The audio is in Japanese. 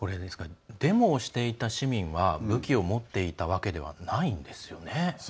デモをしていた市民は武器を持っていたわけではないんですよね。